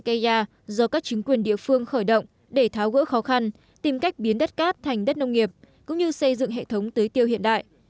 cây gia do các chính quyền địa phương khởi động để tháo gỡ khó khăn tìm cách biến đất cát thành đất nông nghiệp cũng như xây dựng hệ thống tưới tiêu hiện đại